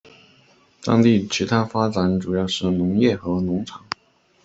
当地其它发展主要是农业和农场。